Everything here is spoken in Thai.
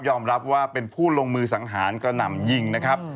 รับว่าเป็นผู้ลงมือสังหารกระหน่ำยิงนะครับ